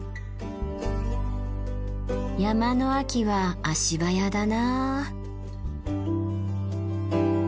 山の秋は足早だなあ。